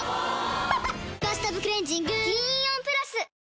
・おぉ「バスタブクレンジング」銀イオンプラス！